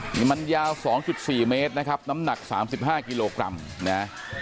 นี่มันยาวสองจุดสี่เมตรนะครับน้ำหนักสามสิบห้ากิโลกรัมนะฮะ